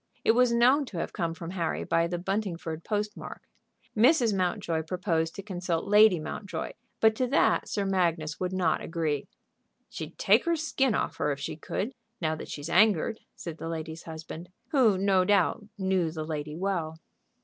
It was known to have come from Harry by the Buntingford post mark. Mrs. Mountjoy proposed to consult Lady Mountjoy; but to that Sir Magnus would not agree. "She'd take her skin off her if she could, now that she's angered," said the lady's husband, who no doubt knew the lady well.